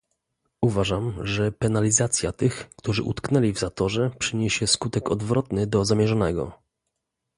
Uważam, że penalizacja tych, którzy utknęli w zatorze przyniesie skutek odwrotny do zamierzonego